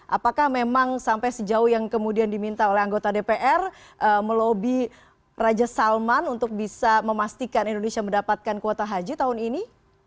apakah memang sampai sejauh yang kemudian diminta oleh anggota dpr melobi raja salman untuk bisa memastikan indonesia mendapatkan kuota haji tahun ini